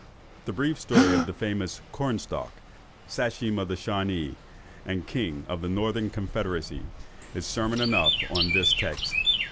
The brief story of the famous Cornstalk, Sachem of the Shawanees, and King of the Northern Confederacy, is sermon enough on this text.